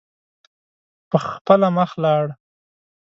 په خپله مخ لاړ.